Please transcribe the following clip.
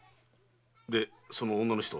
でその女の人は？